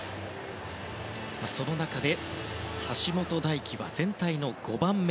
その中で、橋本大輝は全体の５番目。